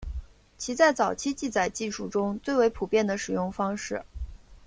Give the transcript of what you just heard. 其在早期记载技术中为最为普遍的使用方式。